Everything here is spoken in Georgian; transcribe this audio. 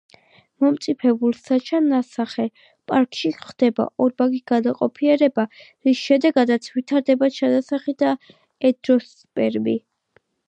მომწიფებულ საჩანასახე პარკში ხდება ორმაგი განაყოფიერება, რის შედეგადაც ვითარდება ჩანასახი და ენდოსპერმი.